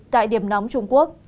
tại điểm nóng trung quốc